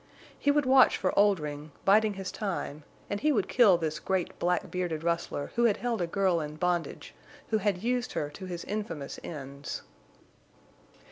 He would watch for Oldring, biding his time, and he would kill this great black bearded rustler who had held a girl in bondage, who had used her to his infamous ends.